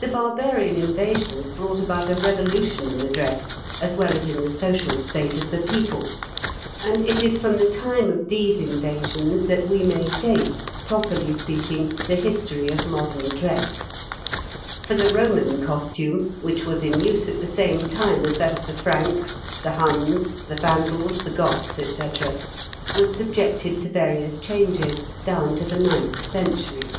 The barbarian invasions brought about a revolution in the dress as well as in the social state of the people, and it is from the time of these invasions that we may date, properly speaking, the history of modern dress; for the Roman costume, which was in use at the same time as that of the Franks, the Huns, the Vandals, the Goths, &c., was subjected to various changes down to the ninth century.